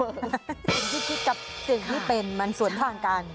สิ่งที่คิดกับสิ่งที่เป็นมันสวนทางกัน